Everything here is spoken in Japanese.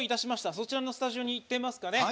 そちらのスタジオに行ってみます。